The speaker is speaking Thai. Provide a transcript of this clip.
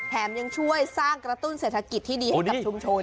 ยังช่วยสร้างกระตุ้นเศรษฐกิจที่ดีให้กับชุมชน